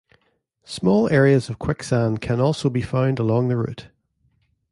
Small areas of quicksand can also be found along the route.